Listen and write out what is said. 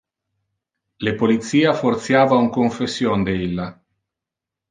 Le policia fortiava un confession de illa.